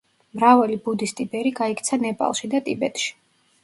მრავალი ბუდისტი ბერი გაიქცა ნეპალში და ტიბეტში.